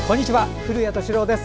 古谷敏郎です。